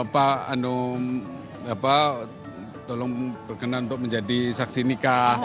pak hanum tolong berkenan untuk menjadi saksi nikah